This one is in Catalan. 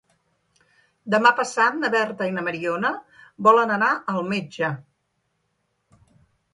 Demà passat na Berta i na Mariona volen anar al metge.